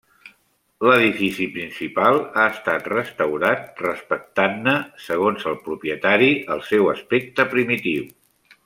L'edifici principal ha estat restaurat, respectant-ne, segons el propietari, el seu aspecte primitiu.